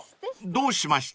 ［どうしました？］